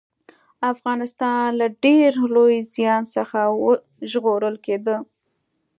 افغانستان له ډېر لوی زيان څخه ژغورل کېده